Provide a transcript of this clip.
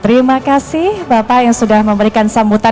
terima kasih bapak yang sudah memberikan sambutan